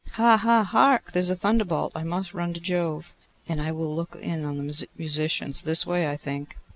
'Ha, ha! Hark! there's a thunderbolt! I must run to Jove.' 'And I will look in on the musicians. This way, I think?